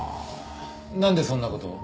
なんでそんな事を？